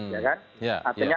ya kan artinya